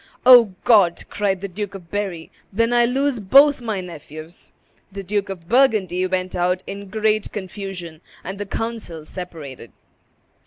"O God!" cried the Duke of Berry, "then I lose both my nephews!" The Duke of Burgundy went out in great confusion, and the council separated.